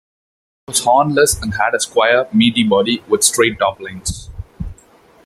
It was hornless and had a square, meaty body with straight top lines.